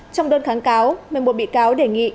trong đơn kháng cáo một mươi một bị cáo đề nghị